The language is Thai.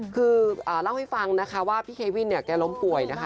คือเล่าให้ฟังนะคะว่าพี่เควินเนี่ยแกล้มป่วยนะคะ